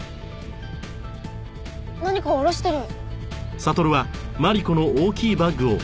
何か下ろしてる。